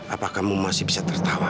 apakah kamu masih bisa tertawa